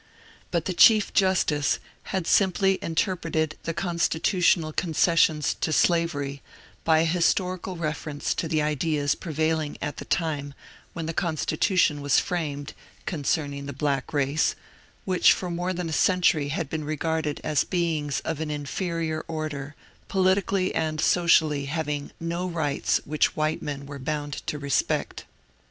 But the Chief Justice had simply interpreted the constitutional concessions to slavery by a historical reference to the ideas prevailing at the time when the Constitution was framed concerning the black race, which for more than a century had been regarded as beings of an inferior order, politically and socially having no rights which white men were bound to respect."